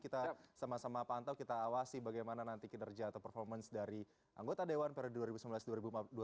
kita sama sama pantau kita awasi bagaimana nanti kinerja atau performance dari anggota dewan periode dua ribu sembilan belas ini